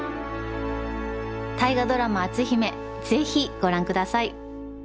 大河ドラマ「篤姫」是非ご覧ください！